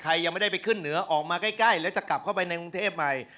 ยังไม่ได้ไปขึ้นเหนือออกมาใกล้แล้วจะกลับเข้าไปในกรุงเทพใหม่